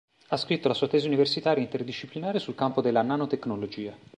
Ha scritto la sua tesi universitaria interdisciplinare sul campo della nanotecnologia.